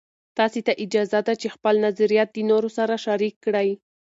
تاسې ته اجازه ده چې خپل نظریات د نورو سره شریک کړئ.